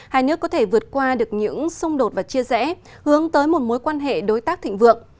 hai nước có thể vượt qua được những xung đột và chia rẽ hướng tới một mối quan hệ đối tác thịnh vượng